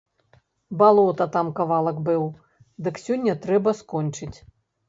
Балота там кавалак быў, дык сёння трэба скончыць.